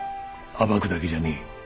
暴くだけじゃねえ。